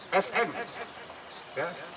pemilik kendaraan saudara a